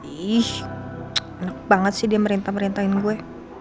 ih enak banget sih dia merintah merintahin gue